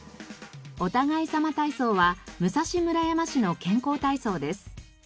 お互いさま体操は武蔵村山市の健康体操です。